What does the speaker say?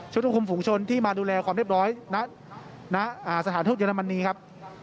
ชุดกรุงคุมฝุงชนที่มาดูแลความเรียบร้อยณสถานธุรกิจยนตมันนีครับ